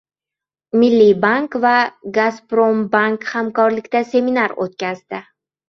«Milliy bank» va «Gazprombank» hamkorlikda seminar o‘tkazdi